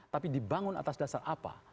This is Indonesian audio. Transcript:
tapi dibangun atas dasar apa